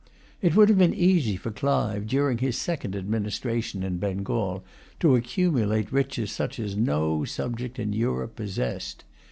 It would have been easy for Clive, during his second administration in Bengal, to accumulate riches such as no subject in Europe possessed.